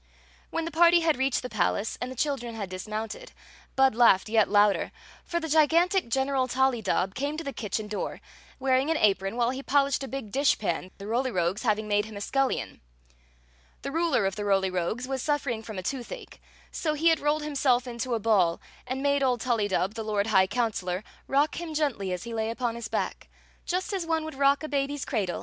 When the party had reached the palace and the children had dismounted, Bud laughed yet louder; for the gigantic General ToUydob came to the kitchen door, wearing an apron while he polished a big Story of the Magic Cloak 23' dish pan, the Roly Rogues having made him a scullion. The ruler of the Roly Rogues was suffering from "Jtmn WAS SCRATCHIMQ THt BACK Or ANOTHBR ROLVHIOCUE." a toothache, so he had rolled himself into a ball and made old TuUydub, the lord high counselor, rock htm gently as he lay upon his back, just as one would rock a bdby's cradle.